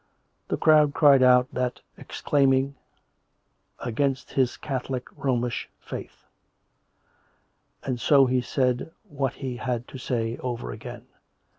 The crowd cried out at that, exclaiming against this Catholic Romish Faith; and so he said what he had to say, over again.